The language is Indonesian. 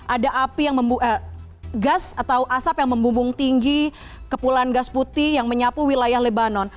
ada gas atau asap yang membumbung tinggi kepulan gas putih yang menyapu wilayah lebanon